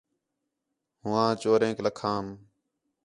ہوآں چورینک لَکھام